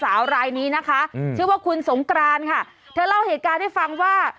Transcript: รายนี้นะคะอืมชื่อว่าคุณสงกรานค่ะเธอเล่าเหตุการณ์ให้ฟังว่า